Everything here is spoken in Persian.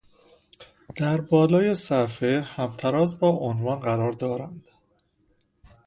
در بالای صفحه و همتراز با عنوان قرار دارند